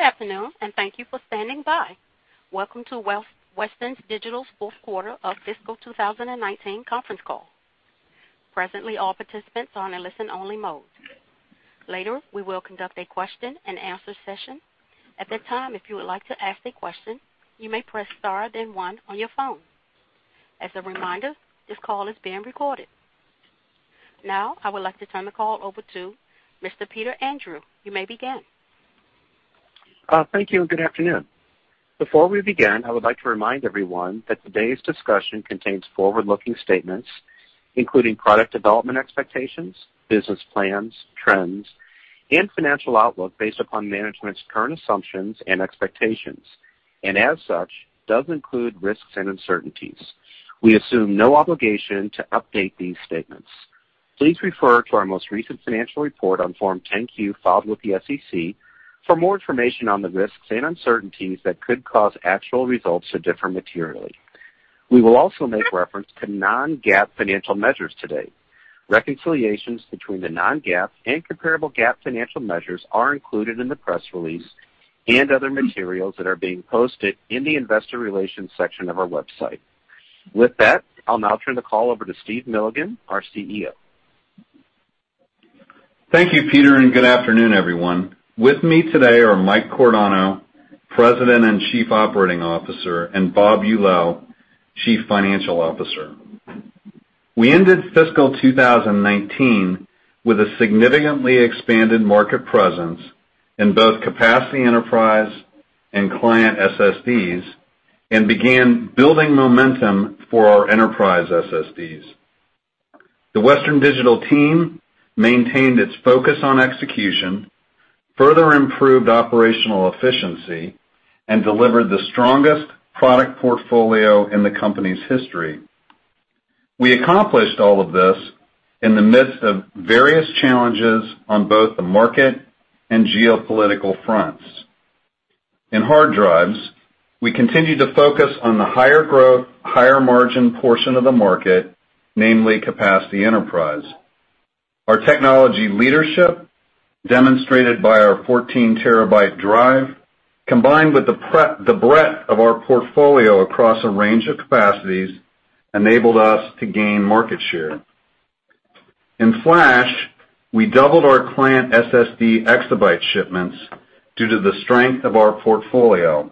Good afternoon. Thank you for standing by. Welcome to Western Digital's fourth quarter of fiscal 2019 conference call. Presently, all participants are in listen only mode. Later, we will conduct a question and answer session. At that time, if you would like to ask a question, you may press star then one on your phone. As a reminder, this call is being recorded. I would like to turn the call over to Mr. Peter Andrew. You may begin. Thank you, and good afternoon. Before we begin, I would like to remind everyone that today's discussion contains forward-looking statements, including product development expectations, business plans, trends, and financial outlook based upon management's current assumptions and expectations. And as such, does include risks and uncertainties. We assume no obligation to update these statements. Please refer to our most recent financial report on Form 10-Q filed with the SEC for more information on the risks and uncertainties that could cause actual results to differ materially. We will also make reference to non-GAAP financial measures today. Reconciliations between the non-GAAP and comparable GAAP financial measures are included in the press release and other materials that are being posted in the investor relations section of our website. With that, I'll now turn the call over to Steve Milligan, our CEO. Thank you, Peter, and good afternoon, everyone. With me today are Mike Cordano, President and Chief Operating Officer, and Bob Eulau, Chief Financial Officer. We ended fiscal 2019 with a significantly expanded market presence in both capacity enterprise and client SSDs, and began building momentum for our enterprise SSDs. The Western Digital team maintained its focus on execution, further improved operational efficiency, and delivered the strongest product portfolio in the company's history. We accomplished all of this in the midst of various challenges on both the market and geopolitical fronts. In hard drives, we continued to focus on the higher growth, higher margin portion of the market, namely capacity enterprise. Our technology leadership, demonstrated by our 14 terabyte drive, combined with the breadth of our portfolio across a range of capacities, enabled us to gain market share. In flash, we doubled our client SSD exabyte shipments due to the strength of our portfolio.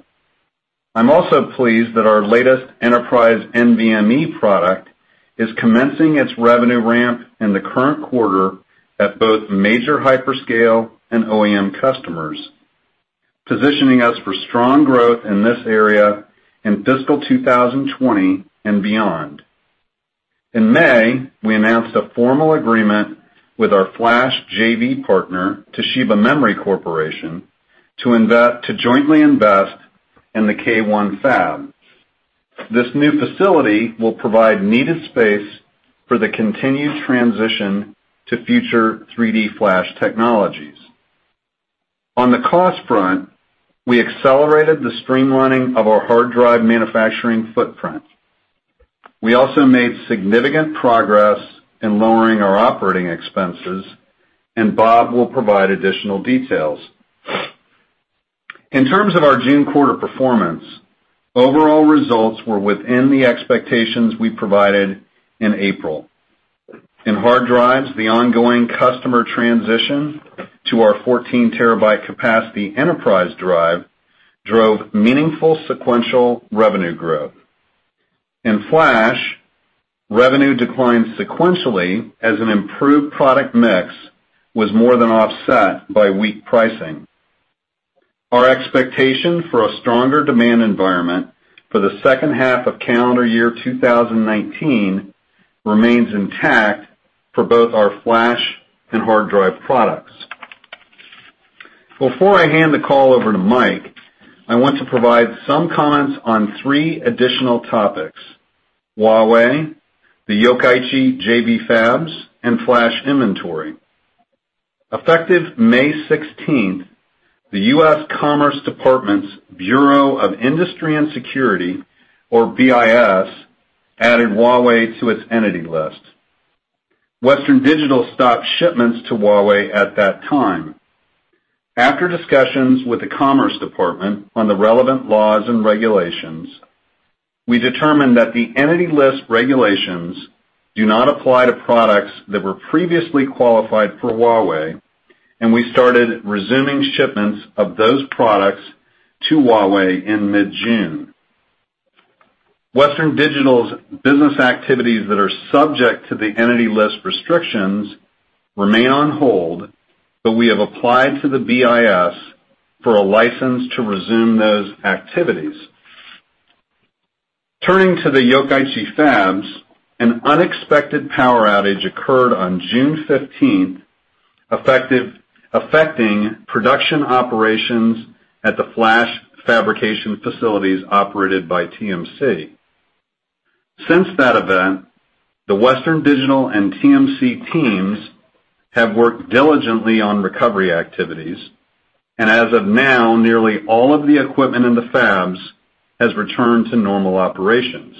I'm also pleased that our latest enterprise NVMe product is commencing its revenue ramp in the current quarter at both major hyperscale and OEM customers, positioning us for strong growth in this area in fiscal 2020 and beyond. In May, we announced a formal agreement with our flash JV partner, Toshiba Memory Corporation, to jointly invest in the K1 fab. This new facility will provide needed space for the continued transition to future 3D flash technologies. On the cost front, we accelerated the streamlining of our hard drive manufacturing footprint. We also made significant progress in lowering our operating expenses, and Bob will provide additional details. In terms of our June quarter performance, overall results were within the expectations we provided in April. In hard drives, the ongoing customer transition to our 14 terabyte capacity enterprise drive drove meaningful sequential revenue growth. In flash, revenue declined sequentially as an improved product mix was more than offset by weak pricing. Our expectation for a stronger demand environment for the second half of calendar year 2019 remains intact for both our flash and hard drive products. Before I hand the call over to Mike, I want to provide some comments on three additional topics: Huawei, the Yokkaichi JV fabs, and flash inventory. Effective May 16th, the US Commerce Department's Bureau of Industry and Security, or BIS, added Huawei to its Entity List. Western Digital stopped shipments to Huawei at that time. After discussions with the Commerce Department on the relevant laws and regulations, we determined that the Entity List regulations do not apply to products that were previously qualified for Huawei, and we started resuming shipments of those products to Huawei in mid-June. Western Digital's business activities that are subject to the Entity List restrictions remain on hold, but we have applied to the BIS for a license to resume those activities. Turning to the Yokkaichi fabs, an unexpected power outage occurred on June 15th, affecting production operations at the flash fabrication facilities operated by TMC. Since that event, the Western Digital and TMC teams have worked diligently on recovery activities, and as of now, nearly all of the equipment in the fabs has returned to normal operations.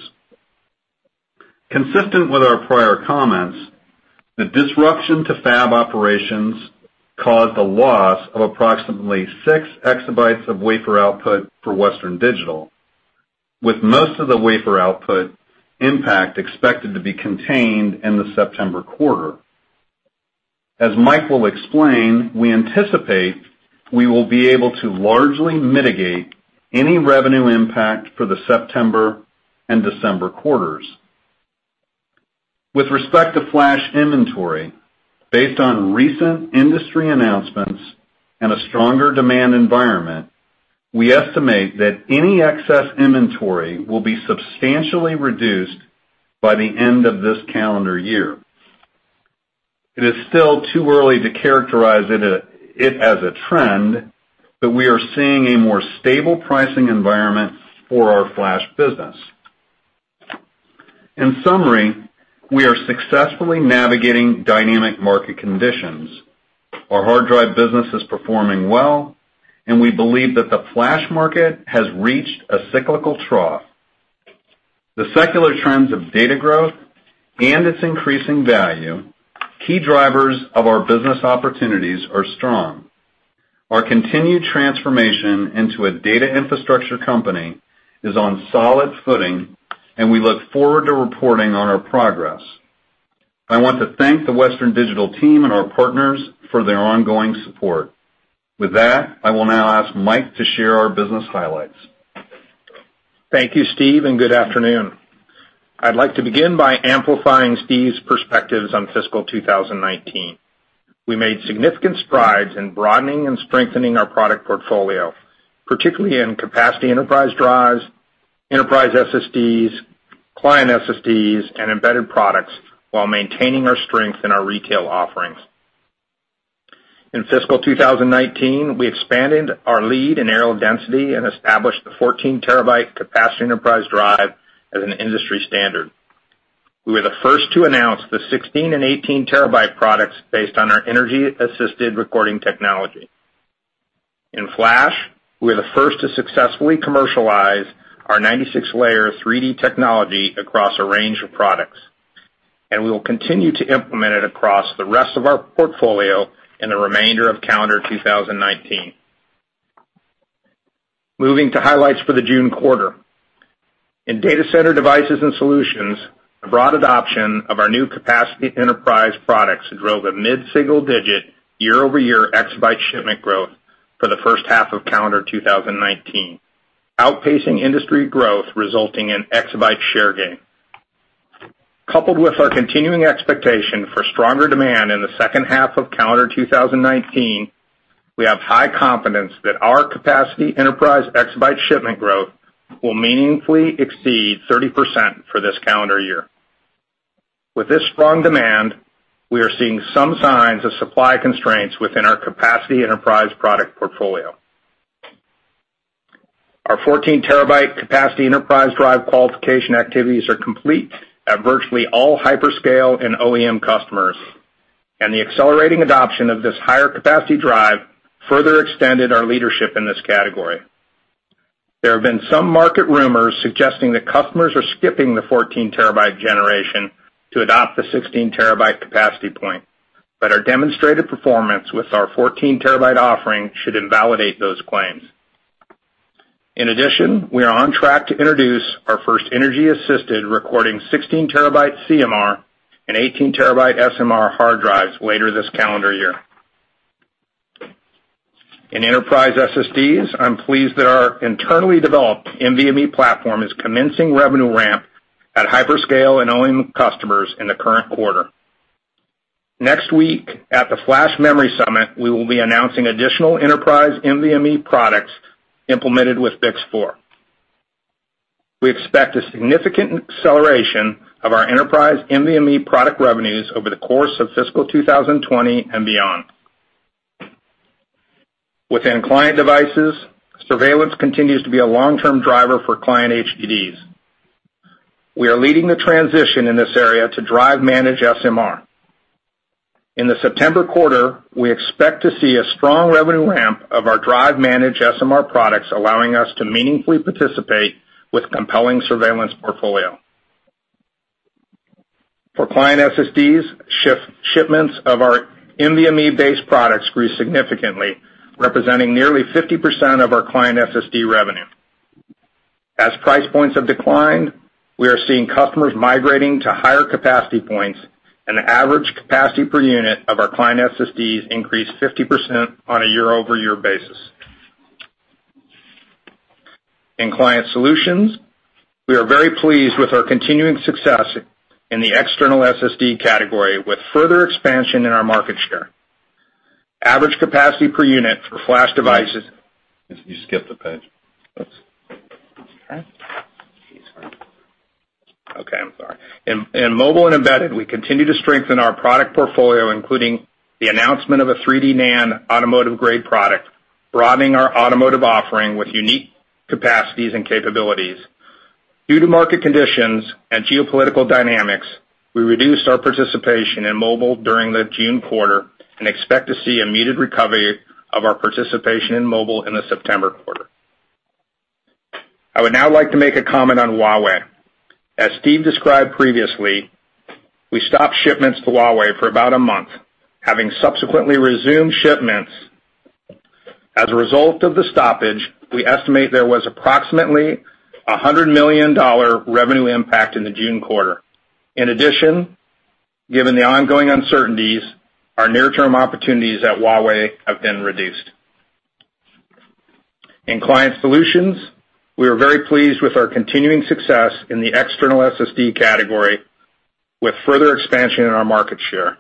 Consistent with our prior comments, the disruption to fab operations caused a loss of approximately 6 exabytes of wafer output for Western Digital, with most of the wafer output impact expected to be contained in the September quarter. As Mike will explain, we anticipate we will be able to largely mitigate any revenue impact for the September and December quarters. With respect to flash inventory, based on recent industry announcements and a stronger demand environment, we estimate that any excess inventory will be substantially reduced by the end of this calendar year. It is still too early to characterize it as a trend, but we are seeing a more stable pricing environment for our flash business. In summary, we are successfully navigating dynamic market conditions. Our hard drive business is performing well, and we believe that the flash market has reached a cyclical trough. The secular trends of data growth and its increasing value, key drivers of our business opportunities are strong. Our continued transformation into a data infrastructure company is on solid footing, and we look forward to reporting on our progress. I want to thank the Western Digital team and our partners for their ongoing support. With that, I will now ask Mike to share our business highlights. Thank you, Steve, and good afternoon. I'd like to begin by amplifying Steve's perspectives on fiscal 2019. We made significant strides in broadening and strengthening our product portfolio, particularly in capacity enterprise drives, enterprise SSDs, Client SSDs, and embedded products, while maintaining our strength in our retail offerings. In fiscal 2019, we expanded our lead in areal density and established the 14 terabyte capacity enterprise drive as an industry standard. We were the first to announce the 16 and 18 terabyte products based on our energy-assisted recording technology. In flash, we are the first to successfully commercialize our 96-layer 3D technology across a range of products, and we will continue to implement it across the rest of our portfolio in the remainder of calendar 2019. Moving to highlights for the June quarter. In Data Center Devices and Solutions, the broad adoption of our new capacity enterprise products drove a mid-single digit year-over-year exabyte shipment growth for the first half of calendar 2019, outpacing industry growth, resulting in exabyte share gain. Coupled with our continuing expectation for stronger demand in the second half of calendar 2019, we have high confidence that our capacity enterprise exabyte shipment growth will meaningfully exceed 30% for this calendar year. With this strong demand, we are seeing some signs of supply constraints within our capacity enterprise product portfolio. Our 14 terabyte capacity enterprise drive qualification activities are complete at virtually all hyperscale and OEM customers. The accelerating adoption of this higher-capacity drive further extended our leadership in this category. There have been some market rumors suggesting that customers are skipping the 14 terabyte generation to adopt the 16 terabyte capacity point, but our demonstrated performance with our 14 terabyte offering should invalidate those claims. In addition, we are on track to introduce our first energy-assisted recording 16 terabyte CMR and 18 terabyte SMR hard drives later this calendar year. In enterprise SSDs, I'm pleased that our internally developed NVMe platform is commencing revenue ramp at hyperscale and OEM customers in the current quarter. Next week, at the Flash Memory Summit, we will be announcing additional enterprise NVMe products implemented with BiCS4. We expect a significant acceleration of our enterprise NVMe product revenues over the course of fiscal 2020 and beyond. Within Client Devices, surveillance continues to be a long-term driver for client HDDs. We are leading the transition in this area to drive-managed SMR. In the September quarter, we expect to see a strong revenue ramp of our drive-managed SMR products, allowing us to meaningfully participate with compelling surveillance portfolio. For client SSDs, shipments of our NVMe-based products grew significantly, representing nearly 50% of our client SSD revenue. As price points have declined, we are seeing customers migrating to higher capacity points, and the average capacity per unit of our client SSDs increased 50% on a year-over-year basis. In Client Solutions, we are very pleased with our continuing success in the external SSD category with further expansion in our market share. Average capacity per unit for flash devices You skipped a page. Oops. Okay. Sorry. Okay, I'm sorry. In mobile and embedded, we continue to strengthen our product portfolio, including the announcement of a 3D NAND automotive-grade product, broadening our automotive offering with unique capacities and capabilities. Due to market conditions and geopolitical dynamics, we reduced our participation in mobile during the June quarter and expect to see a muted recovery of our participation in mobile in the September quarter. I would now like to make a comment on Huawei. As Steve described previously, we stopped shipments to Huawei for about a month, having subsequently resumed shipments. As a result of the stoppage, we estimate there was approximately $100 million revenue impact in the June quarter. In addition, given the ongoing uncertainties, our near-term opportunities at Huawei have been reduced. In Client Solutions, we are very pleased with our continuing success in the external SSD category, with further expansion in our market share.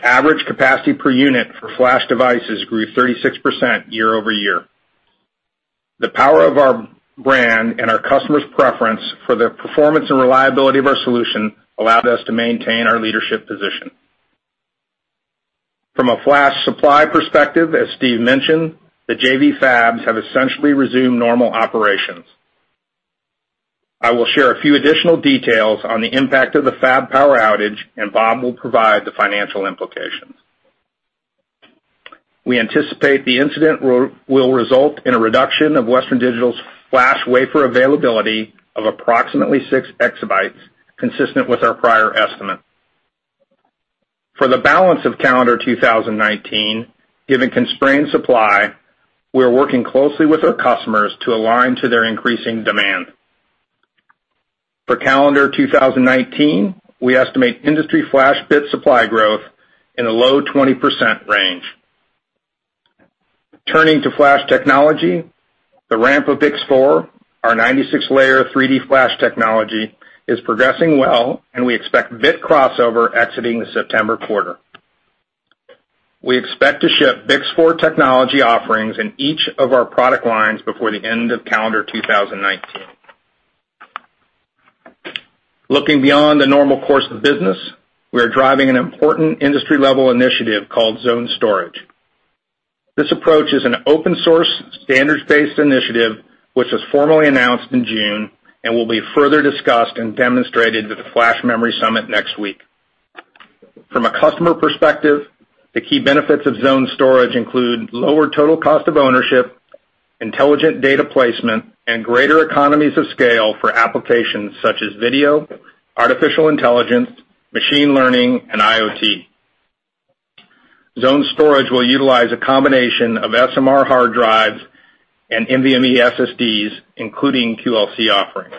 Average capacity per unit for flash devices grew 36% year-over-year. The power of our brand and our customers' preference for the performance and reliability of our solution allowed us to maintain our leadership position. From a flash supply perspective, as Steve mentioned, the JV fabs have essentially resumed normal operations. I will share a few additional details on the impact of the fab power outage, and Bob will provide the financial implications. We anticipate the incident will result in a reduction of Western Digital's flash wafer availability of approximately 6 exabytes, consistent with our prior estimate. For the balance of calendar 2019, given constrained supply, we are working closely with our customers to align to their increasing demand. For calendar 2019, we estimate industry flash bit supply growth in a low 20% range. Turning to flash technology, the ramp of BiCS4, our 96-layer 3D flash technology, is progressing well, and we expect bit crossover exiting the September quarter. We expect to ship BiCS4 technology offerings in each of our product lines before the end of calendar 2019. Looking beyond the normal course of business, we are driving an important industry-level initiative called Zoned Storage. This approach is an open-source, standards-based initiative, which was formally announced in June and will be further discussed and demonstrated at the Flash Memory Summit next week. From a customer perspective, the key benefits of Zoned Storage include lower total cost of ownership, intelligent data placement, and greater economies of scale for applications such as video, artificial intelligence, machine learning, and IoT. Zoned Storage will utilize a combination of SMR hard drives and NVMe SSDs, including QLC offerings.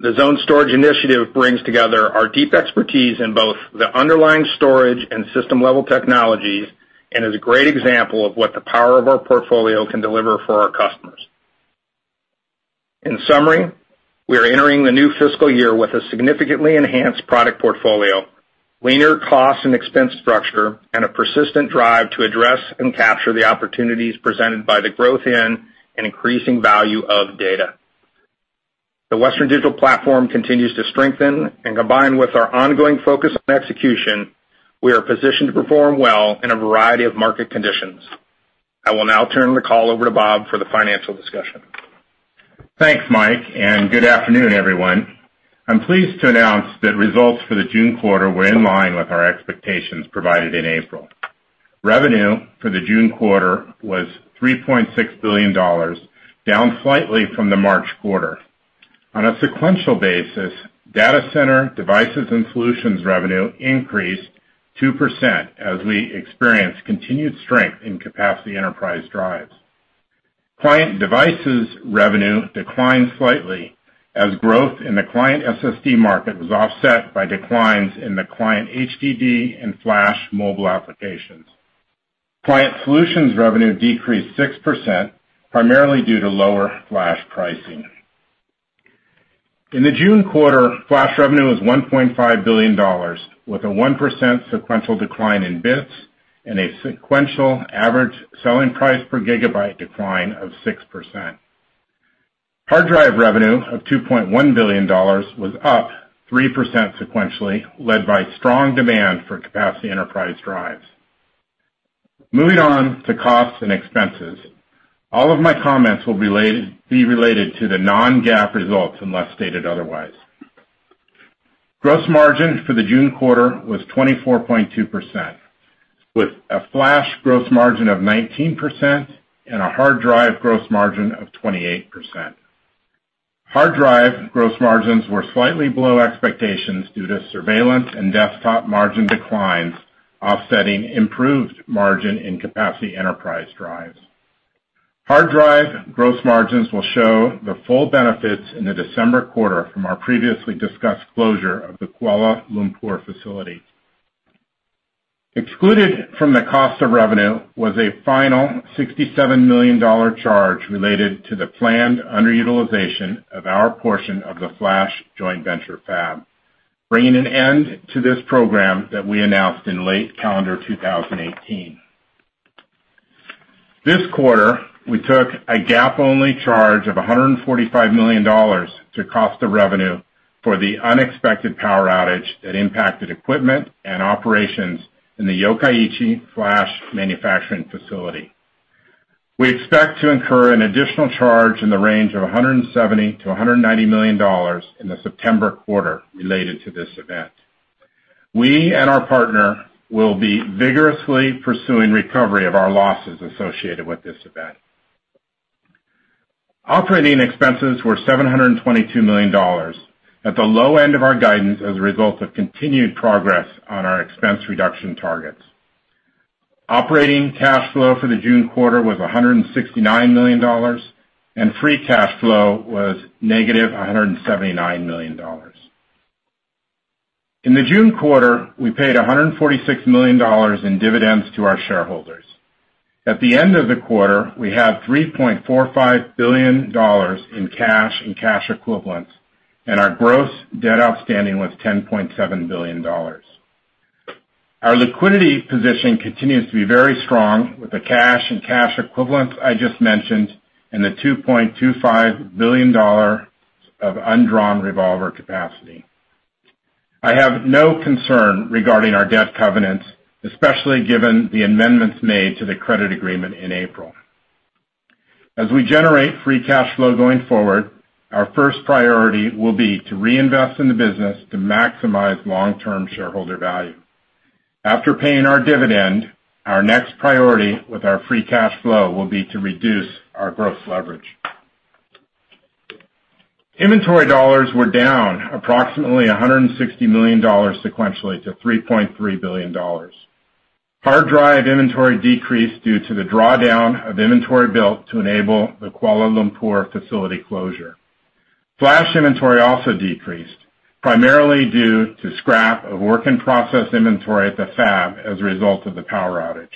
The Zoned Storage initiative brings together our deep expertise in both the underlying storage and system-level technologies and is a great example of what the power of our portfolio can deliver for our customers. In summary, we are entering the new fiscal year with a significantly enhanced product portfolio, leaner cost and expense structure, and a persistent drive to address and capture the opportunities presented by the growth in and increasing value of data. The Western Digital platform continues to strengthen, and combined with our ongoing focus on execution, we are positioned to perform well in a variety of market conditions. I will now turn the call over to Bob for the financial discussion. Thanks, Mike, good afternoon, everyone. I'm pleased to announce that results for the June quarter were in line with our expectations provided in April. Revenue for the June quarter was $3.6 billion, down slightly from the March quarter. On a sequential basis, Data Center Devices and Solutions revenue increased 2% as we experienced continued strength in capacity enterprise drives. Client Devices revenue declined slightly as growth in the client SSD market was offset by declines in the client HDD and flash mobile applications. Client Solutions revenue decreased 6%, primarily due to lower flash pricing. In the June quarter, flash revenue was $1.5 billion, with a 1% sequential decline in bits and a sequential average selling price per gigabyte decline of 6%. Hard drive revenue of $2.1 billion was up 3% sequentially, led by strong demand for capacity enterprise drives. Moving on to costs and expenses. All of my comments will be related to the non-GAAP results unless stated otherwise. Gross margin for the June quarter was 24.2%, with a flash gross margin of 19% and a hard drive gross margin of 28%. Hard drive gross margins were slightly below expectations due to surveillance and desktop margin declines offsetting improved margin in capacity enterprise drives. Hard drive gross margins will show the full benefits in the December quarter from our previously discussed closure of the Kuala Lumpur facility. Excluded from the cost of revenue was a final $67 million charge related to the planned underutilization of our portion of the flash joint venture fab, bringing an end to this program that we announced in late calendar 2018. This quarter, we took a GAAP-only charge of $145 million to cost of revenue for the unexpected power outage that impacted equipment and operations in the Yokkaichi flash manufacturing facility. We expect to incur an additional charge in the range of $170 million-$190 million in the September quarter related to this event. We and our partner will be vigorously pursuing recovery of our losses associated with this event. Operating expenses were $722 million, at the low end of our guidance as a result of continued progress on our expense reduction targets. Operating cash flow for the June quarter was $169 million, and free cash flow was negative $179 million. In the June quarter, we paid $146 million in dividends to our shareholders. At the end of the quarter, we have $3.45 billion in cash and cash equivalents, and our gross debt outstanding was $10.7 billion. Our liquidity position continues to be very strong with the cash and cash equivalents I just mentioned, and the $2.25 billion of undrawn revolver capacity. I have no concern regarding our debt covenants, especially given the amendments made to the credit agreement in April. As we generate free cash flow going forward, our first priority will be to reinvest in the business to maximize long-term shareholder value. After paying our dividend, our next priority with our free cash flow will be to reduce our gross leverage. Inventory dollars were down approximately $160 million sequentially to $3.3 billion. Hard drive inventory decreased due to the drawdown of inventory built to enable the Kuala Lumpur facility closure. Flash inventory also decreased, primarily due to scrap of work-in-process inventory at the fab as a result of the power outage.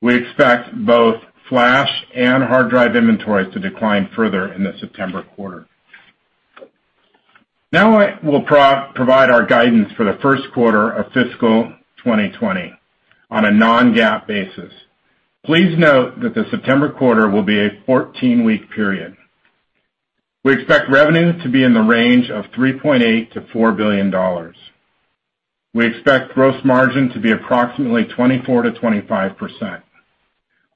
We expect both flash and hard drive inventories to decline further in the September quarter. I will provide our guidance for the first quarter of fiscal 2020 on a non-GAAP basis. Please note that the September quarter will be a 14-week period. We expect revenue to be in the range of $3.8 billion-$4 billion. We expect gross margin to be approximately 24%-25%.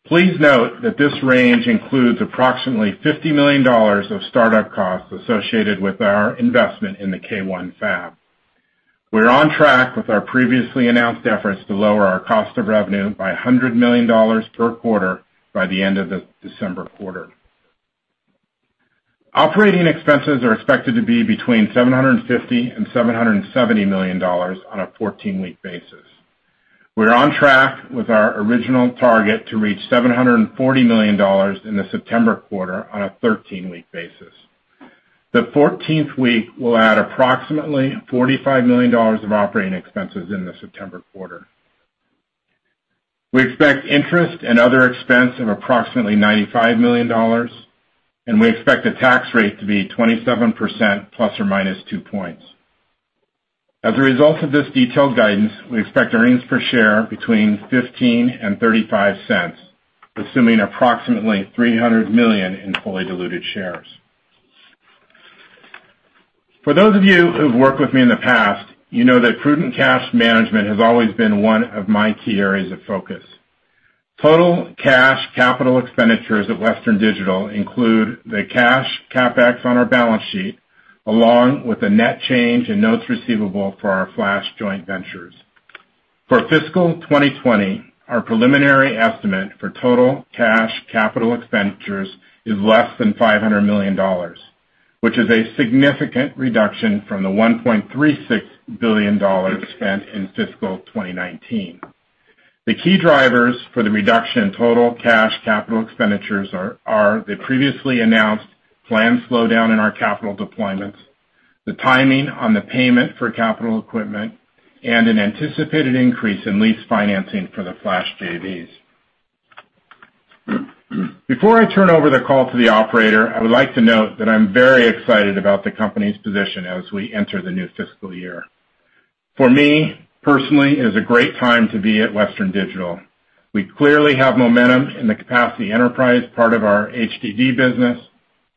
Please note that this range includes approximately $50 million of startup costs associated with our investment in the K1 fab. We're on track with our previously announced efforts to lower our cost of revenue by $100 million per quarter by the end of the December quarter. Operating expenses are expected to be between $750 million and $770 million on a 14-week basis. We're on track with our original target to reach $740 million in the September quarter on a 13-week basis. The 14th week will add approximately $45 million of operating expenses in the September quarter. We expect interest and other expense of approximately $95 million. We expect the tax rate to be 27%, plus or minus two points. As a result of this detailed guidance, we expect earnings per share between $0.15 and $0.35, assuming approximately 300 million in fully diluted shares. For those of you who've worked with me in the past, you know that prudent cash management has always been one of my key areas of focus. Total cash capital expenditures at Western Digital include the cash CapEx on our balance sheet, along with the net change in notes receivable for our flash joint ventures. For fiscal 2020, our preliminary estimate for total cash capital expenditures is less than $500 million, which is a significant reduction from the $1.36 billion spent in fiscal 2019. The key drivers for the reduction in total cash capital expenditures are the previously announced planned slowdown in our capital deployments, the timing on the payment for capital equipment, and an anticipated increase in lease financing for the flash JVs. Before I turn over the call to the operator, I would like to note that I'm very excited about the company's position as we enter the new fiscal year. For me personally, it is a great time to be at Western Digital. We clearly have momentum in the capacity enterprise part of our HDD business,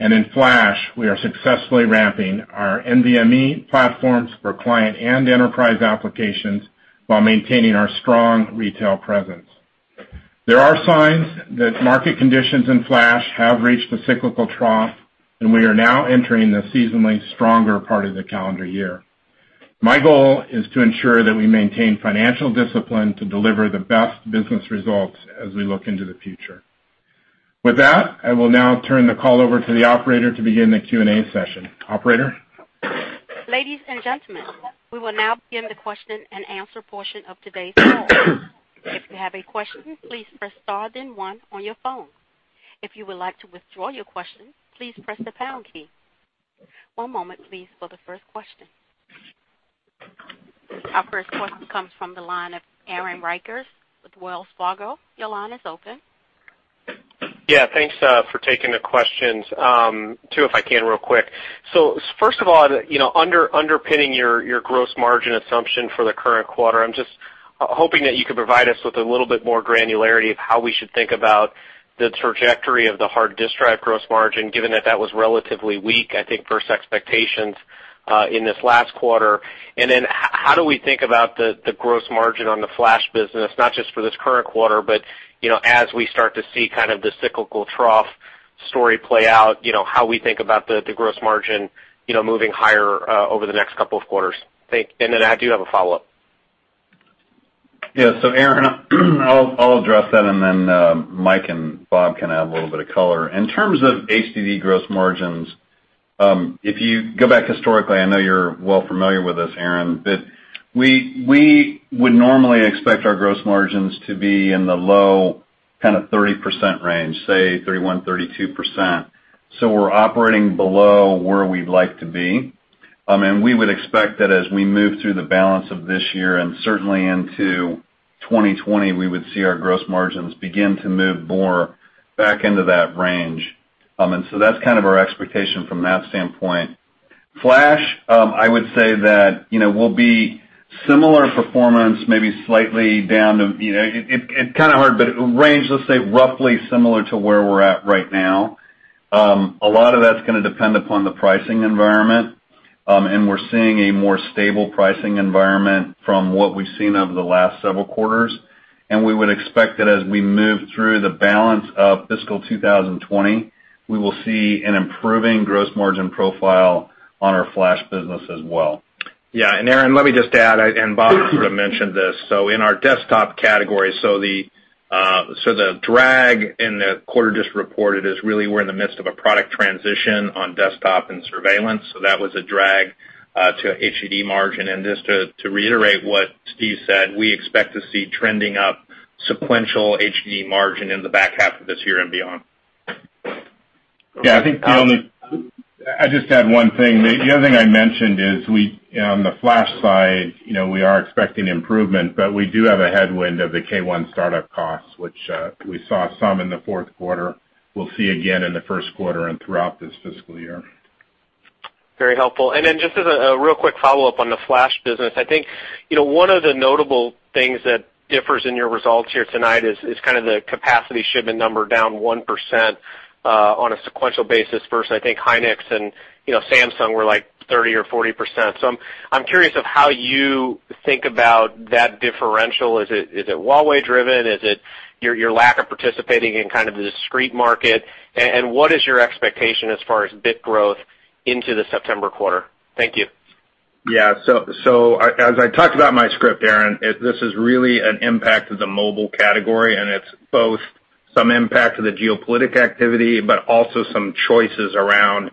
and in flash, we are successfully ramping our NVMe platforms for client and enterprise applications while maintaining our strong retail presence. There are signs that market conditions in flash have reached the cyclical trough, and we are now entering the seasonally stronger part of the calendar year. My goal is to ensure that we maintain financial discipline to deliver the best business results as we look into the future. With that, I will now turn the call over to the operator to begin the Q&A session. Operator? Ladies and gentlemen, we will now begin the question and answer portion of today's call. If you have a question, please press star then one on your phone. If you would like to withdraw your question, please press the pound key. One moment, please, for the first question. Our first question comes from the line of Aaron Rakers with Wells Fargo. Your line is open. Thanks for taking the questions. Two if I can real quick. First of all, underpinning your gross margin assumption for the current quarter, I'm just hoping that you could provide us with a little bit more granularity of how we should think about the trajectory of the hard disk drive gross margin, given that that was relatively weak, I think, versus expectations in this last quarter. How do we think about the gross margin on the flash business, not just for this current quarter, but as we start to see kind of the cyclical trough story play out, how we think about the gross margin moving higher over the next couple of quarters. I do have a follow-up. Yeah. Aaron Rakers, I'll address that, and then Mike Cordano and Bob Eulau can add a little bit of color. In terms of HDD gross margins, if you go back historically, I know you're well familiar with this, Aaron, but we would normally expect our gross margins to be in the low kind of 30% range, say 31%, 32%. We're operating below where we'd like to be. We would expect that as we move through the balance of this year and certainly into 2020, we would see our gross margins begin to move more back into that range. That's kind of our expectation from that standpoint. Flash, I would say that we'll be similar performance, maybe slightly down to, it's kind of hard, but range, let's say roughly similar to where we're at right now. A lot of that's going to depend upon the pricing environment. We're seeing a more stable pricing environment from what we've seen over the last several quarters, and we would expect that as we move through the balance of fiscal 2020, we will see an improving gross margin profile on our flash business as well. Yeah, Aaron, let me just add, Bob sort of mentioned this, in our desktop category, the drag in the quarter just reported is really we're in the midst of a product transition on desktop and surveillance. That was a drag to HDD margin. Just to reiterate what Steve said, we expect to see trending up sequential HDD margin in the back half of this year and beyond. I'd just add one thing. The other thing I mentioned is on the flash side, we are expecting improvement, but we do have a headwind of the K1 startup costs, which we saw some in the fourth quarter. We'll see again in the first quarter and throughout this fiscal year. Very helpful. Then just as a real quick follow-up on the flash business, I think, one of the notable things that differs in your results here tonight is kind of the capacity shipment number down 1% on a sequential basis versus, I think hynix and Samsung were like 30% or 40%. I'm curious of how you think about that differential. Is it Huawei driven? Is it your lack of participating in kind of the discrete market? What is your expectation as far as bit growth into the September quarter? Thank you. Yeah. As I talked about in my script, Aaron, this is really an impact of the mobile category, and it's both some impact of the geopolitical activity, but also some choices around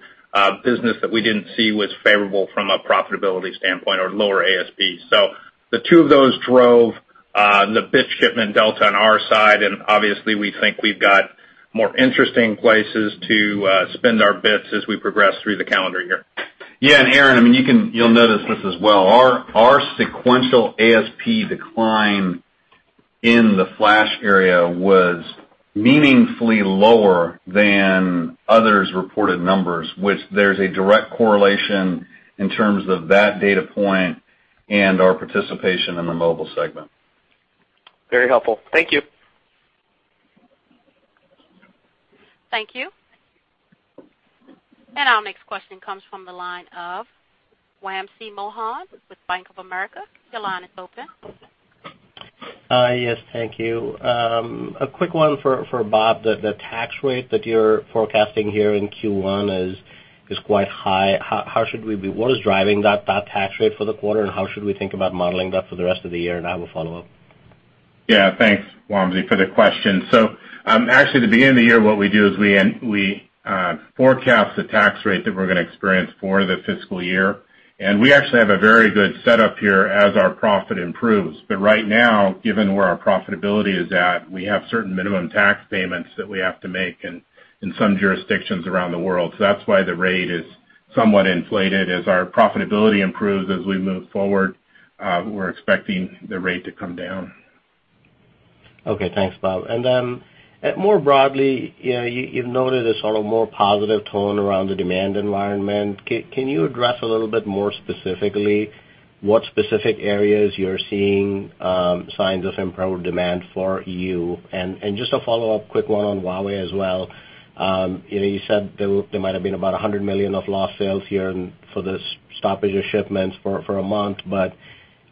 business that we didn't see was favorable from a profitability standpoint or lower ASPs. The two of those drove the bit shipment delta on our side, and obviously we think we've got more interesting places to spend our bits as we progress through the calendar year. Aaron, you'll notice this as well. Our sequential ASP decline in the flash area was meaningfully lower than others' reported numbers, which there's a direct correlation in terms of that data point and our participation in the mobile segment. Very helpful. Thank you. Thank you. Our next question comes from the line of Wamsi Mohan with Bank of America. Your line is open. Hi. Yes, thank you. A quick one for Bob. The tax rate that you're forecasting here in Q1 is quite high. What is driving that tax rate for the quarter, and how should we think about modeling that for the rest of the year, and I will follow up? Yeah, thanks, Wamsi, for the question. Actually the beginning of the year, what we do is we forecast the tax rate that we're going to experience for the fiscal year, and we actually have a very good setup here as our profit improves. Right now, given where our profitability is at, we have certain minimum tax payments that we have to make in some jurisdictions around the world. That's why the rate is somewhat inflated. As our profitability improves as we move forward, we're expecting the rate to come down. Okay, thanks, Bob. Then more broadly, you've noted a sort of more positive tone around the demand environment. Can you address a little bit more specifically what specific areas you're seeing signs of improved demand for you? Just a follow-up quick one on Huawei as well. You said there might have been about $100 million of lost sales here for the stoppage of shipments for a month.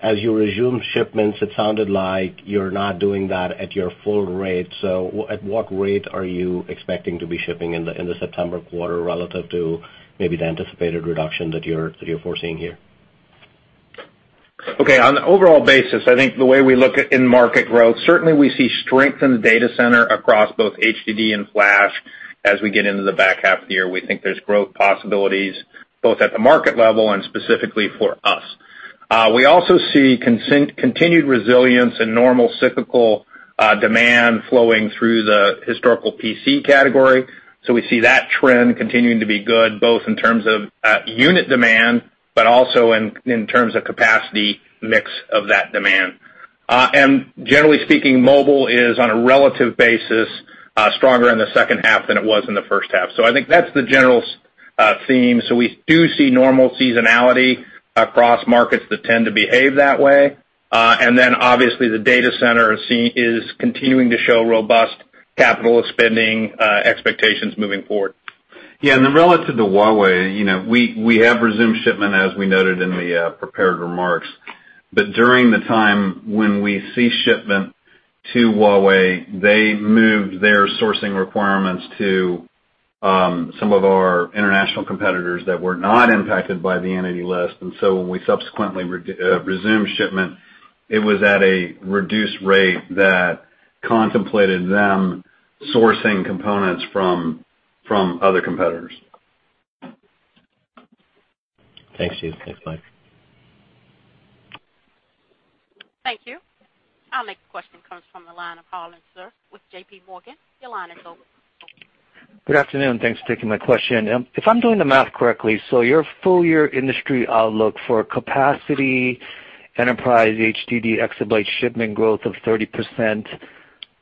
As you resume shipments, it sounded like you're not doing that at your full rate. At what rate are you expecting to be shipping in the September quarter relative to maybe the anticipated reduction that you're foreseeing here? Okay. On the overall basis, I think the way we look at end market growth, certainly we see strength in the data center across both HDD and flash as we get into the back half of the year. We think there's growth possibilities both at the market level and specifically for us. We also see continued resilience and normal cyclical demand flowing through the historical PC category. We see that trend continuing to be good, both in terms of unit demand, but also in terms of capacity mix of that demand. Generally speaking, mobile is, on a relative basis, stronger in the second half than it was in the first half. I think that's the general theme. We do see normal seasonality across markets that tend to behave that way. Obviously the data center is continuing to show robust capital spending expectations moving forward. Relative to Huawei, we have resumed shipment as we noted in the prepared remarks. During the time when we ceased shipment to Huawei, they moved their sourcing requirements to some of our international competitors that were not impacted by the Entity List. When we subsequently resumed shipment, it was at a reduced rate that contemplated them sourcing components from other competitors. Thanks, Steve. Thanks, Mike. Thank you. Our next question comes from the line of Harlan Sur with J.P. Morgan. Your line is open. Good afternoon. Thanks for taking my question. If I'm doing the math correctly, your full year industry outlook for capacity, enterprise HDD exabyte shipment growth of 30%,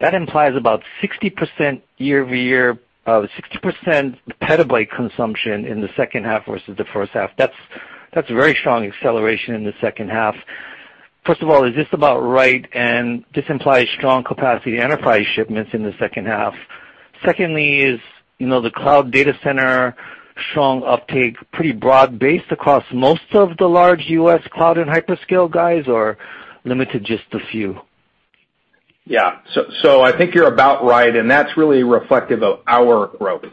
that implies about 60% petabyte consumption in the second half versus the first half. That's very strong acceleration in the second half. First of all, is this about right? This implies strong capacity enterprise shipments in the second half. Secondly, the cloud data center strong uptake pretty broad-based across most of the large U.S. cloud and hyperscale guys, or limited just to a few? Yeah. I think you're about right, and that's really reflective of our growth.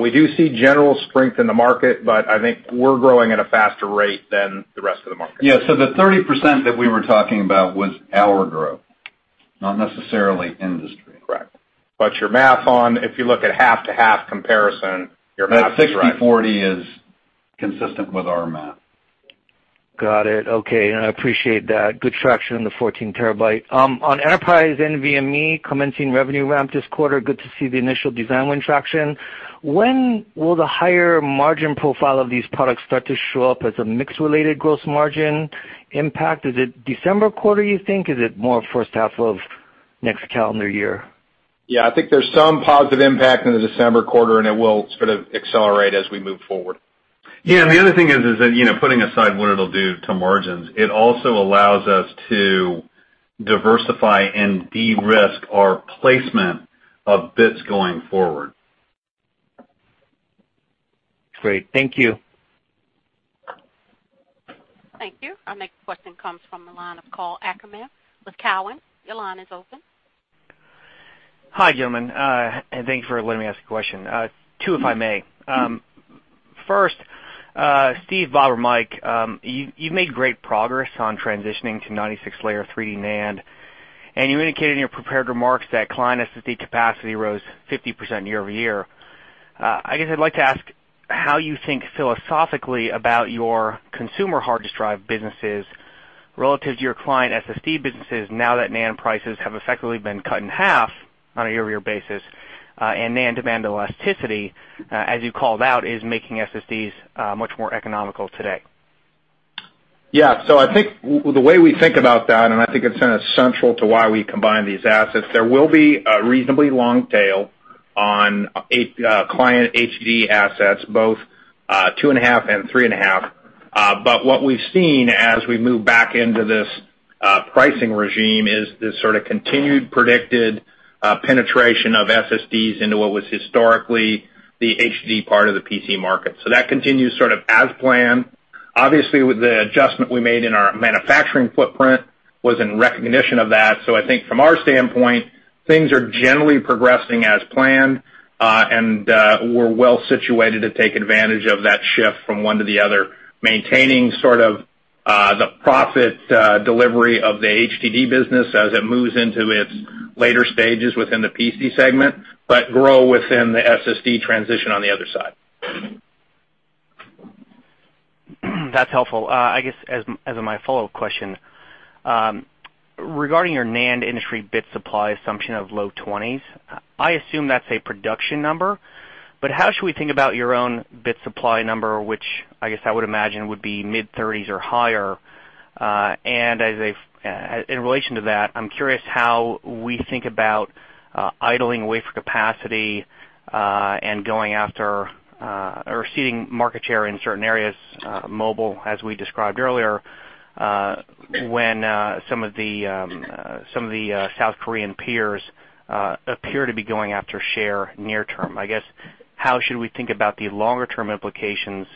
We do see general strength in the market, but I think we're growing at a faster rate than the rest of the market. Yeah. The 30% that we were talking about was our growth, not necessarily industry. Correct. If you look at half to half comparison, your math is right. That 60/40 is consistent with our math. Got it. Okay. I appreciate that. Good traction in the 14 terabyte. On enterprise NVMe commencing revenue ramp this quarter, good to see the initial design win traction. When will the higher margin profile of these products start to show up as a mix-related gross margin impact? Is it December quarter, you think? Is it more first half of next calendar year? Yeah, I think there's some positive impact in the December quarter, and it will sort of accelerate as we move forward. Yeah, the other thing is that, putting aside what it'll do to margins, it also allows us to diversify and de-risk our placement of bits going forward. Great. Thank you. Thank you. Our next question comes from the line of Karl Ackerman with Cowen. Your line is open. Hi, gentlemen. Thank you for letting me ask a question. Two, if I may. First, Steve, Bob, or Mike, you've made great progress on transitioning to 96-layer 3D NAND, and you indicated in your prepared remarks that client SSD capacity rose 50% year-over-year. I guess I'd like to ask how you think philosophically about your consumer hard disk drive businesses relative to your client SSD businesses now that NAND prices have effectively been cut in half on a year-over-year basis, and NAND demand elasticity, as you called out, is making SSDs much more economical today. Yeah. I think the way we think about that, and I think it's kind of central to why we combine these assets, there will be a reasonably long tail on client HDD assets, both two and a half and three and a half. But what we've seen as we move back into this pricing regime is this sort of continued predicted penetration of SSDs into what was historically the HDD part of the PC market. That continues sort of as planned. Obviously, with the adjustment we made in our manufacturing footprint was in recognition of that. I think from our standpoint, things are generally progressing as planned, and we're well-situated to take advantage of that shift from one to the other, maintaining sort of the profit delivery of the HDD business as it moves into its later stages within the PC segment, but grow within the SSD transition on the other side. That's helpful. I guess as my follow-up question, regarding your NAND industry bit supply assumption of low 20s, I assume that's a production number. How should we think about your own bit supply number, which I guess I would imagine would be mid-30s or higher? In relation to that, I'm curious how we think about idling wafer capacity, and going after or ceding market share in certain areas, mobile, as we described earlier, when some of the South Korean peers appear to be going after share near term. I guess, how should we think about the longer-term implications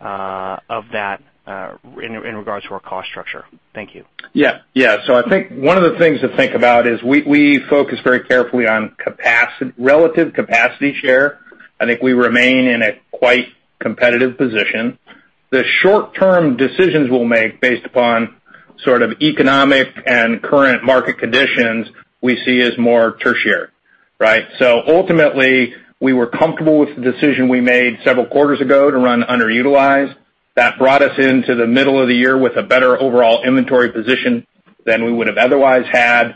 of that in regards to our cost structure? Thank you. Yeah. I think one of the things to think about is we focus very carefully on relative capacity share. I think we remain in a quite competitive position. The short-term decisions we'll make based upon economic and current market conditions we see as more tertiary. Right? Ultimately, we were comfortable with the decision we made several quarters ago to run underutilized. That brought us into the middle of the year with a better overall inventory position than we would have otherwise had.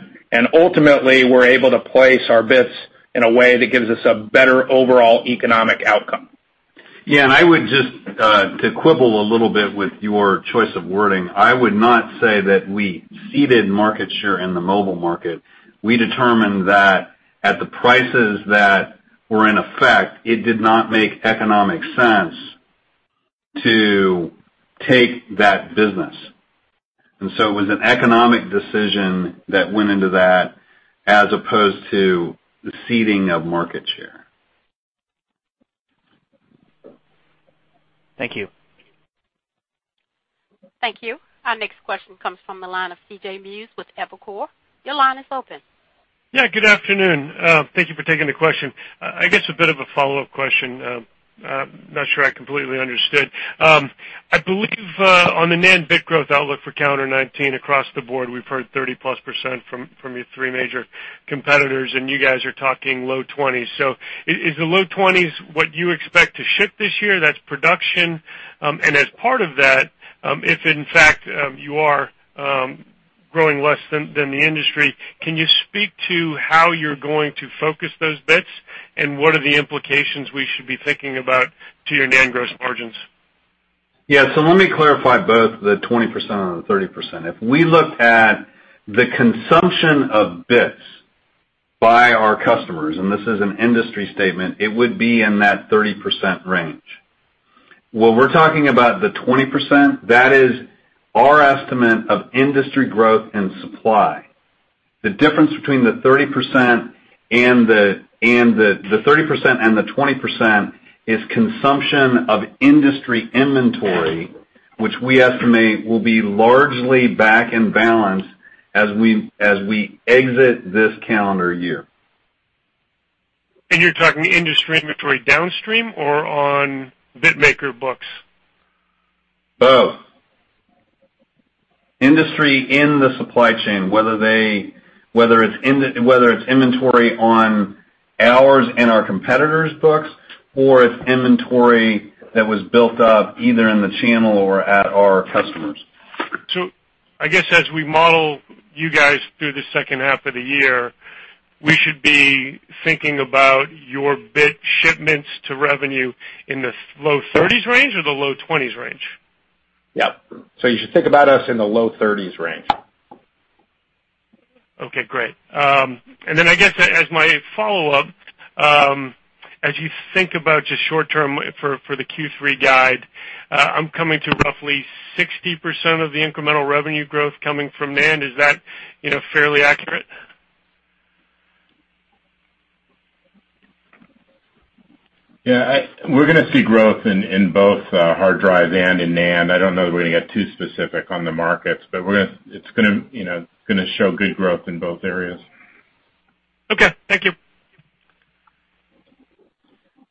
Ultimately, we're able to place our bits in a way that gives us a better overall economic outcome. Yeah, to quibble a little bit with your choice of wording, I would not say that we ceded market share in the mobile market. We determined that at the prices that were in effect, it did not make economic sense to take that business. It was an economic decision that went into that as opposed to the ceding of market share. Thank you. Thank you. Our next question comes from the line of C.J. Muse with Evercore. Your line is open. Yeah, good afternoon. Thank you for taking the question. I guess a bit of a follow-up question. I'm not sure I completely understood. I believe, on the NAND bit growth outlook for calendar 2019 across the board, we've heard 30+% from your three major competitors, and you guys are talking low 20s. Is the low 20s what you expect to ship this year, that's production? As part of that, if in fact, you are growing less than the industry, can you speak to how you're going to focus those bits and what are the implications we should be thinking about to your NAND gross margins? Yeah. Let me clarify both the 20% and the 30%. If we looked at the consumption of bits by our customers, and this is an industry statement, it would be in that 30% range. When we're talking about the 20%, that is our estimate of industry growth and supply. The difference between the 30% and the 20% is consumption of industry inventory, which we estimate will be largely back in balance as we exit this calendar year. You're talking industry inventory downstream or on bit maker books? Both. Industry in the supply chain, whether it's inventory on ours and our competitors' books, or it's inventory that was built up either in the channel or at our customers. I guess as we model you guys through the second half of the year, we should be thinking about your bit shipments to revenue in the low 30s range or the low 20s range? Yep. You should think about us in the low 30s range. Okay, great. I guess as my follow-up, as you think about just short-term for the Q3 guide, I'm coming to roughly 60% of the incremental revenue growth coming from NAND. Is that fairly accurate? Yeah. We're going to see growth in both hard drive and in NAND. I don't know that we're going to get too specific on the markets, but it's going to show good growth in both areas. Okay, thank you.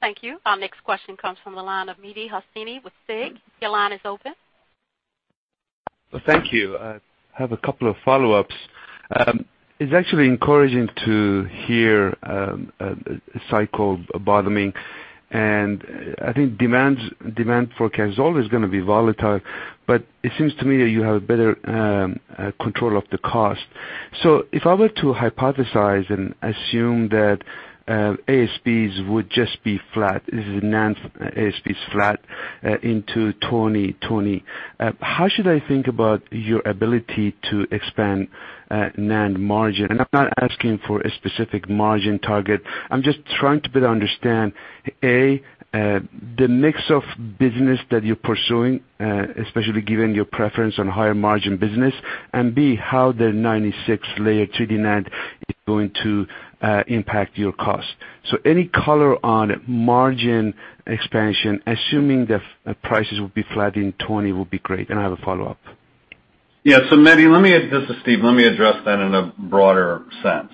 Thank you. Our next question comes from the line of Mehdi Hosseini with SIG. Your line is open. Thank you. I have a couple of follow-ups. It's actually encouraging to hear a cycle bottoming, and I think demand for flash is always going to be volatile, but it seems to me that you have better control of the cost. If I were to hypothesize and assume that ASPs would just be flat, this is NAND ASPs flat, into 2020, how should I think about your ability to expand NAND margin? I'm not asking for a specific margin target. I'm just trying to better understand, A, the mix of business that you're pursuing, especially given your preference on higher margin business, and B, how the 96-layer 3D NAND is going to impact your cost. Any color on margin expansion, assuming the prices will be flat in 2020, would be great. I have a follow-up. Yeah. Mehdi, this is Steve. Let me address that in a broader sense.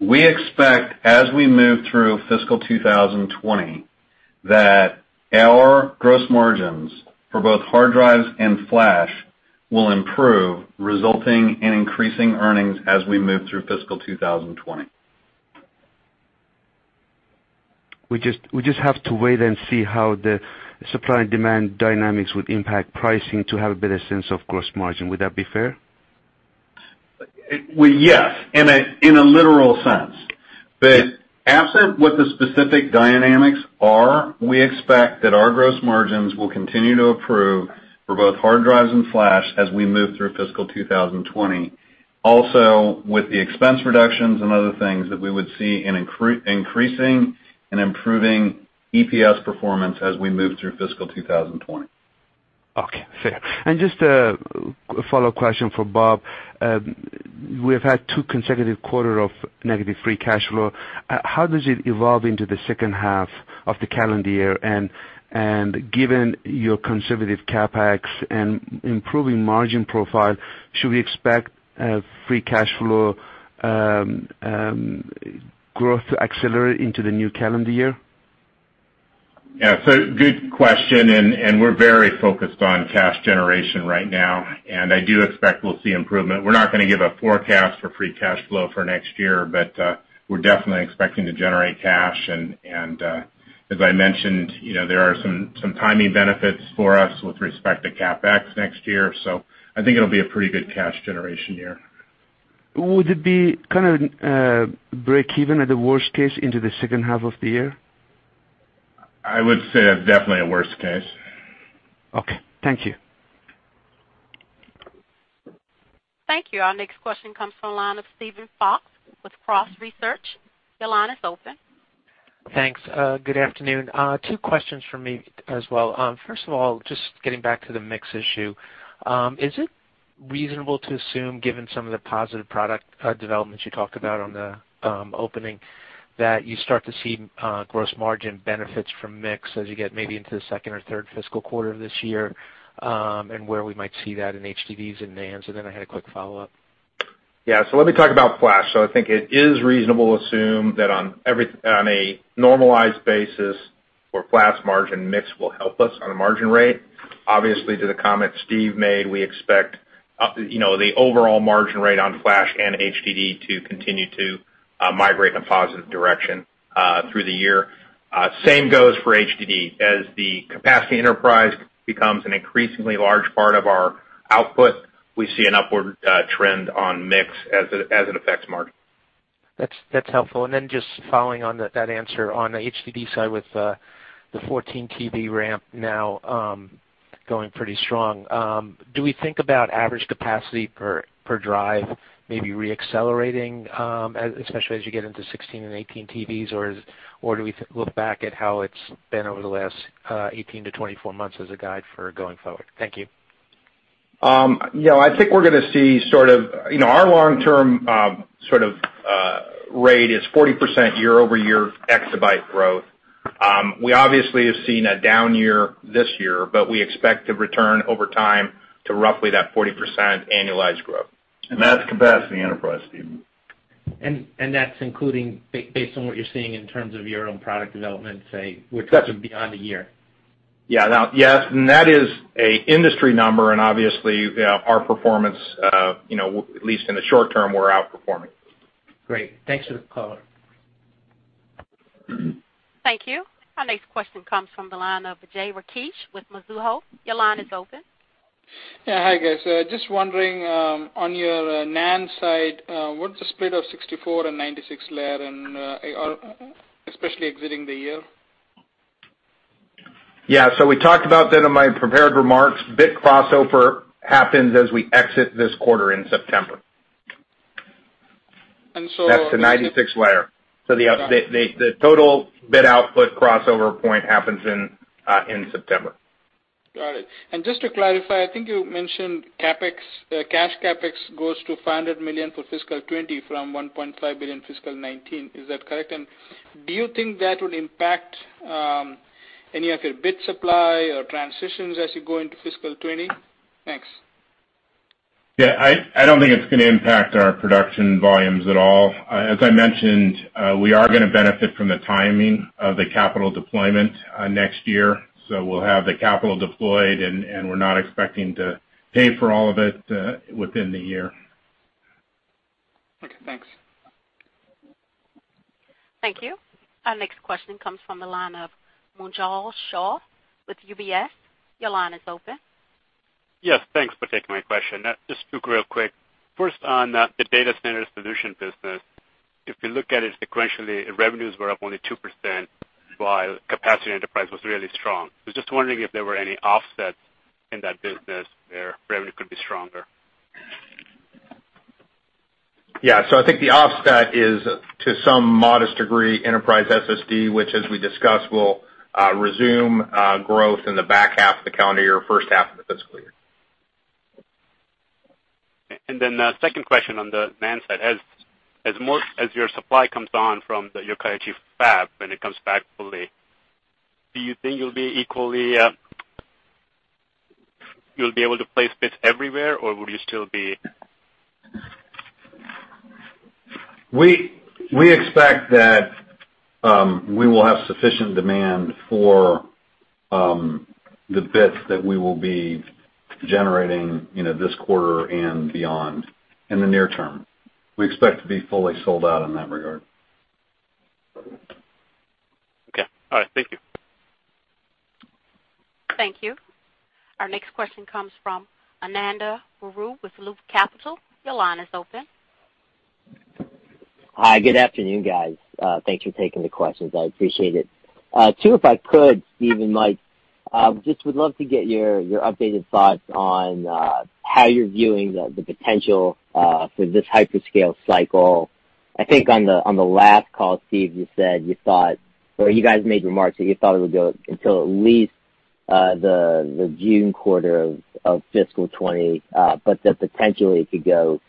We expect as we move through fiscal 2020 that our gross margins for both hard drives and flash will improve, resulting in increasing earnings as we move through fiscal 2020. We just have to wait and see how the supply and demand dynamics would impact pricing to have a better sense of gross margin. Would that be fair? Well, yes, in a literal sense. Absent what the specific dynamics are, we expect that our gross margins will continue to improve for both hard drives and flash as we move through fiscal 2020. Also with the expense reductions and other things that we would see in increasing and improving EPS performance as we move through fiscal 2020. Okay, fair. Just a follow-up question for Bob. We've had two consecutive quarter of negative free cash flow. How does it evolve into the second half of the calendar year? Given your conservative CapEx and improving margin profile, should we expect free cash flow growth to accelerate into the new calendar year? Good question, and we're very focused on cash generation right now, and I do expect we'll see improvement. We're not going to give a forecast for free cash flow for next year, but we're definitely expecting to generate cash, and as I mentioned, there are some timing benefits for us with respect to CapEx next year. I think it'll be a pretty good cash generation year. Would it be kind of break even at the worst case into the second half of the year? I would say definitely a worst case. Okay. Thank you. Thank you. Our next question comes from the line of Steven Fox with Cross Research. Your line is open. Thanks. Good afternoon. Two questions from me as well. First of all, just getting back to the mix issue, is it reasonable to assume, given some of the positive product developments you talked about on the opening, that you start to see gross margin benefits from mix as you get maybe into the second or third fiscal quarter of this year, and where we might see that in HDD and NAND? Then I had a quick follow-up. Yeah. Let me talk about flash. I think it is reasonable to assume that on a normalized basis for flash margin, mix will help us on a margin rate. Obviously, to the comment Steve made, we expect the overall margin rate on flash and HDD to continue to migrate in a positive direction through the year. Same goes for HDD. As the capacity enterprise becomes an increasingly large part of our output, we see an upward trend on mix as it affects margin. That's helpful. Then just following on that answer on the HDD side with the 14 TB ramp now going pretty strong, do we think about average capacity per drive maybe re-accelerating, especially as you get into 16 and 18 TBs? Do we look back at how it's been over the last 18-24 months as a guide for going forward? Thank you. I think our long-term rate is 40% year-over-year exabyte growth. We obviously have seen a down year this year, but we expect to return over time to roughly that 40% annualized growth. That's capacity enterprise, Steven. That's including based on what you're seeing in terms of your own product development, say, which would be beyond a year? Yes, that is an industry number, obviously our performance, at least in the short term, we're outperforming. Great. Thanks for the color. Thank you. Our next question comes from the line of Vijay Rakesh with Mizuho. Your line is open. Yeah. Hi, guys. Just wondering, on your NAND side, what's the split of 64 and 96-layer, especially exiting the year? Yeah. We talked about that in my prepared remarks. bit crossover happens as we exit this quarter in September. And so- That's the 96-layer. The total bit output crossover point happens in September. Got it. Just to clarify, I think you mentioned cash CapEx goes to $500 million for fiscal 2020 from $1.5 billion fiscal 2019. Is that correct? Do you think that would impact any of your bit supply or transitions as you go into fiscal 2020? Thanks. Yeah, I don't think it's going to impact our production volumes at all. As I mentioned, we are going to benefit from the timing of the capital deployment next year. We'll have the capital deployed, and we're not expecting to pay for all of it within the year. Okay, thanks. Thank you. Our next question comes from the line of Munjal Shah with UBS. Your line is open. Yes, thanks for taking my question. Just real quick, first on the Data Center Solutions business. If you look at it sequentially, revenues were up only 2% while capacity enterprise was really strong. I was just wondering if there were any offsets in that business where revenue could be stronger. Yeah. I think the offset is, to some modest degree, enterprise SSD, which as we discussed, will resume growth in the back half of the calendar year, first half of the fiscal year. The second question on the NAND side. As your supply comes on from the Yokkaichi fab, when it comes back fully, do you think you'll be able to place bits everywhere or would you still be? We expect that we will have sufficient demand for the bits that we will be generating this quarter and beyond in the near term. We expect to be fully sold out in that regard. Okay. All right. Thank you. Thank you. Our next question comes from Ananda Baruah with Loop Capital. Your line is open. Hi, good afternoon, guys. Thanks for taking the questions. I appreciate it. Two, if I could, Steve and Mike, just would love to get your updated thoughts on how you're viewing the potential for this hyperscale cycle. I think on the last call, Steve, you guys made remarks that you thought it would go until at least the June quarter of fiscal 2020, but that potentially it could go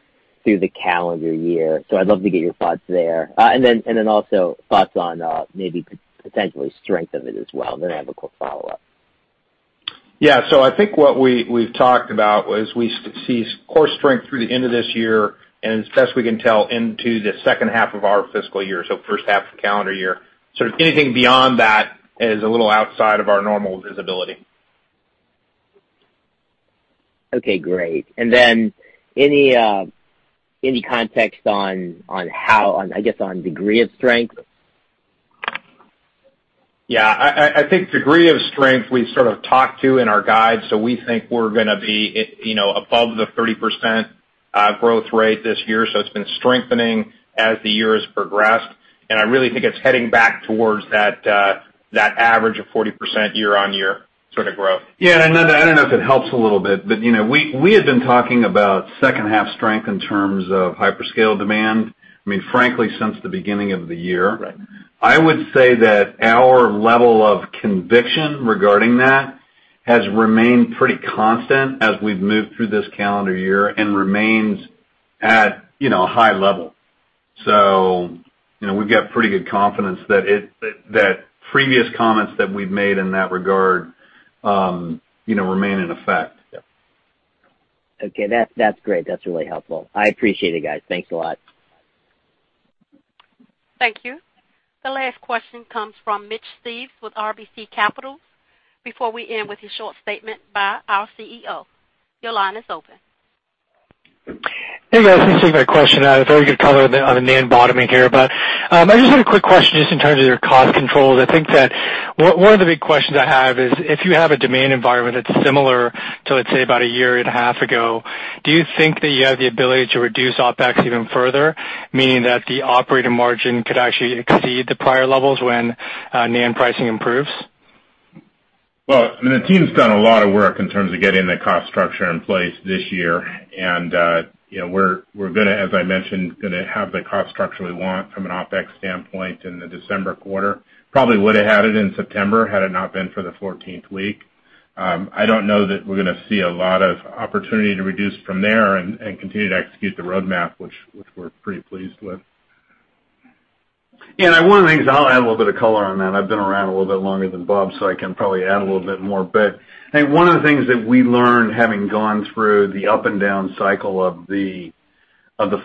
through the calendar year. I'd love to get your thoughts there. Also thoughts on maybe potentially strength of it as well, and then I have a quick follow-up. Yeah. I think what we've talked about was we see core strength through the end of this year, and as best we can tell, into the second half of our fiscal year, so first half of the calendar year. Anything beyond that is a little outside of our normal visibility. Okay, great. Any context on degree of strength? Yeah, I think degree of strength we sort of talked to in our guide. We think we're going to be above the 30% growth rate this year. It's been strengthening as the year has progressed, and I really think it's heading back towards that average of 40% year-over-year. Sort of growth. Yeah. I don't know if it helps a little bit, but we had been talking about second half strength in terms of hyperscale demand, frankly, since the beginning of the year. Right. I would say that our level of conviction regarding that has remained pretty constant as we've moved through this calendar year and remains at a high level. We've got pretty good confidence that previous comments that we've made in that regard remain in effect. Yep. Okay. That's great. That's really helpful. I appreciate it, guys. Thanks a lot. Thank you. The last question comes from Mitch Steves with RBC Capital. Before we end with a short statement by our CEO, your line is open. Hey, guys. Thanks for taking my question. Very good color on the NAND bottoming here. I just had a quick question, just in terms of your cost controls. I think that one of the big questions I have is if you have a demand environment that's similar to, let's say, about a year and a half ago, do you think that you have the ability to reduce OpEx even further, meaning that the operating margin could actually exceed the prior levels when NAND pricing improves? Well, the team's done a lot of work in terms of getting the cost structure in place this year. We're going to, as I mentioned, have the cost structure we want from an OpEx standpoint in the December quarter. Probably would've had it in September had it not been for the 14th week. I don't know that we're going to see a lot of opportunity to reduce from there and continue to execute the roadmap, which we're pretty pleased with. One of the things, I'll add a little bit of color on that. I've been around a little bit longer than Bob, I can probably add a little bit more. I think one of the things that we learned, having gone through the up and down cycle of the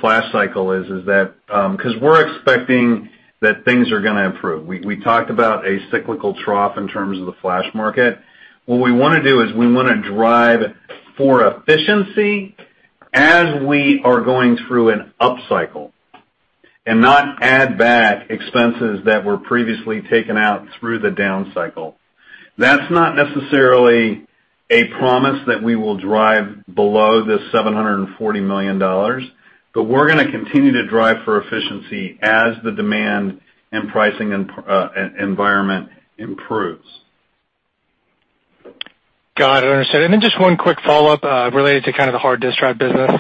flash cycle is that because we're expecting that things are going to improve. We talked about a cyclical trough in terms of the flash market. What we want to do is we want to drive for efficiency as we are going through an upcycle and not add back expenses that were previously taken out through the down cycle. That's not necessarily a promise that we will drive below the $740 million, we're going to continue to drive for efficiency as the demand and pricing environment improves. Got it, understood. Just one quick follow-up related to kind of the hard disk drive business.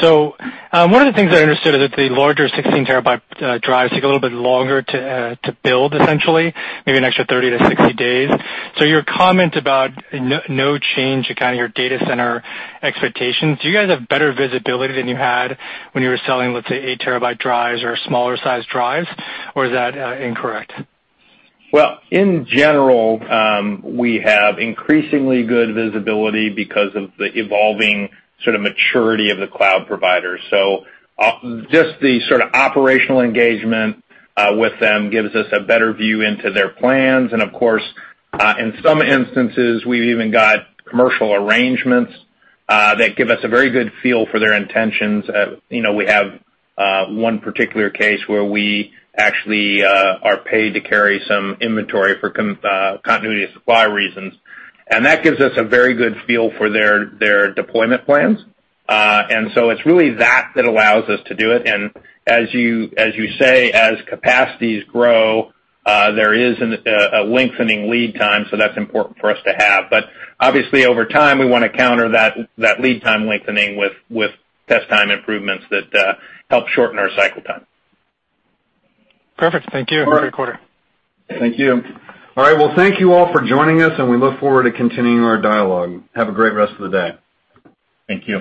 One of the things I understood is that the larger 16 terabyte drives take a little bit longer to build essentially, maybe an extra 30 to 60 days. Your comment about no change to kind of your data center expectations, do you guys have better visibility than you had when you were selling, let's say, eight terabyte drives or smaller size drives? Or is that incorrect? Well, in general, we have increasingly good visibility because of the evolving sort of maturity of the cloud provider. Just the sort of operational engagement with them gives us a better view into their plans. Of course, in some instances, we've even got commercial arrangements that give us a very good feel for their intentions. We have one particular case where we actually are paid to carry some inventory for continuity of supply reasons, and that gives us a very good feel for their deployment plans. It's really that allows us to do it. As you say, as capacities grow, there is a lengthening lead time, so that's important for us to have. Obviously, over time, we want to counter that lead time lengthening with test time improvements that help shorten our cycle time. Perfect. Thank you. Have a good quarter. Thank you. All right. Well, thank you all for joining us, and we look forward to continuing our dialogue. Have a great rest of the day. Thank you.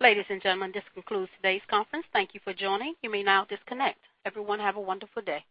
Ladies and gentlemen, this concludes today's conference. Thank you for joining. You may now disconnect. Everyone, have a wonderful day.